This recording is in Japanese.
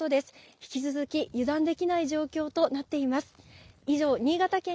引き続き油断できない状況となっています。